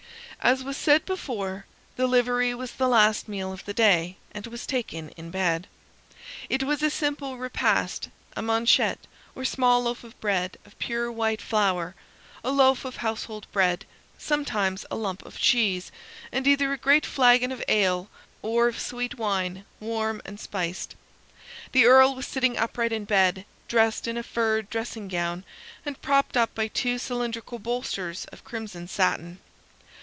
As was said before, the livery was the last meal of the day, and was taken in bed. It was a simple repast a manchette, or small loaf of bread of pure white flour, a loaf of household bread, sometimes a lump of cheese, and either a great flagon of ale or of sweet wine, warm and spiced. The Earl was sitting upright in bed, dressed in a furred dressing gown, and propped up by two cylindrical bolsters of crimson satin.